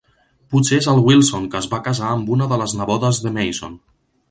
Potser és el Wilson que es va casar amb una de les nebodes de Mason.